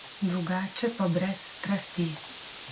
Drugače pa brez strasti.